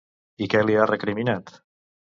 I què li ha recriminat?